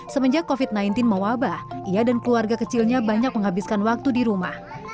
semenjak covid sembilan belas mewabah ia dan keluarga kecilnya banyak menghabiskan waktu di rumah